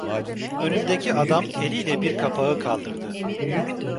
Önümdeki adam eliyle bir kapağı kaldırdı.